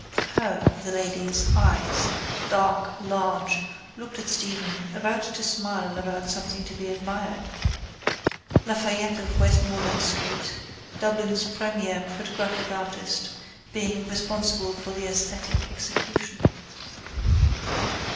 Her (the lady's) eyes, dark, large, looked at Stephen, about to smile about something to be admired, Lafayette of Westmoreland street, Dublin's premier photographic artist, being responsible for the esthetic execution.